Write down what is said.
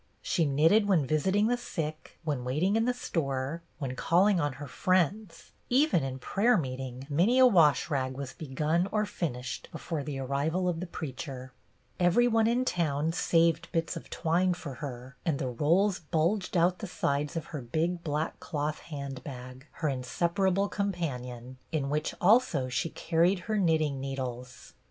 She knitted when visiting the sick, when waiting in the store, when call ing on her friends; even in prayer meeting many a wash rag was begun or finished before the arrival of the preacher. Every one in town saved bits of twine for her, and the rolls bulged out the sides of her big black cloth handbag, her inseparable companion, in which also she carried her knitting needles.